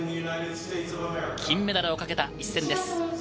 金メダルをかけた一戦です。